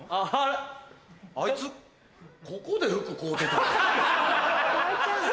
あいつここで服買うてたん。